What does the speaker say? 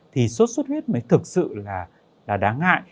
thì xuất huyết mới thực sự là đáng ngại